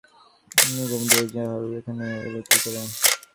ওরে গোবর্ধন, এ যে আমাদের হারু এখানে ও এল কী করে?